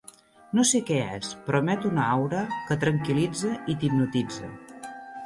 No sé què és, però emet una aura que tranquil·litza i t'hipnotitza.